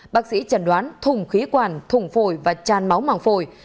bác sĩ chẳng đoán thùng khí quản thùng phổi và chan máu mảng phổi